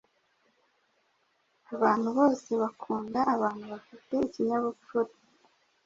Abantu bose bakunda abantu bafite ikinyabupfura.